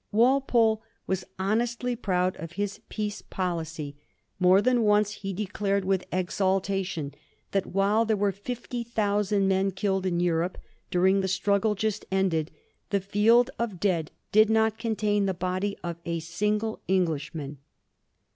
Walpole was honestly proud of his peace policy ; more 1786. WALFOLE*S PEACE POLICY. sY than once he declared with exultation that while there were fifty thousand men killed in Europe during the struggle just ended, the field of dead did not contain the body of a single Englishman.